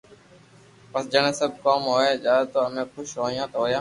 پسي جڻي سب ڪوم ھوئي جاتو تو امي خوݾ ھوتا